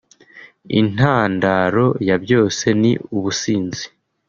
Intandaro ya byose ni ubusinzi